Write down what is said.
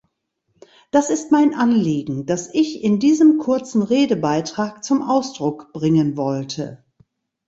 Das ist mein Anliegen, das ich in diesem kurzen Redebeitrag zum Ausdruck bringen wollte.